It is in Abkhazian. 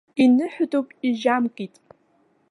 Иныҳәатәуп, ижьамкит!